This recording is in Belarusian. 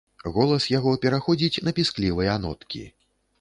Голас яго пераходзіць на пісклівыя ноткі.